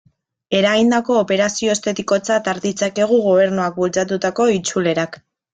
Eragindako operazio estetikotzat har ditzakegu Gobernuak bultzatutako itzulerak.